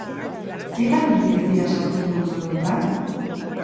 Zein langile ez dira sartzen multzo honetan?